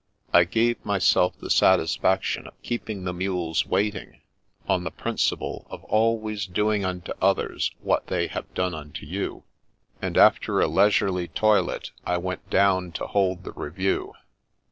I gave myself the satisfaction of keeping the mules waiting, on the principle of always doing unto others what they have done imto you; and after a leisurely toilet, I went down to hold the review.